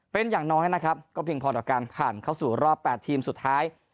เป็นอย่างน้อยนะครับก็เพียงพอต่อการผ่านเข้าสู่รอบ๘ทีมสุดท้าย